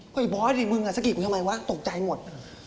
เฮ้ยบอสมึงกับสกิกกูทำไมวะตกใจหมด